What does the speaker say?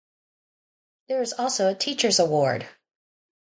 There is also a teacher's award'.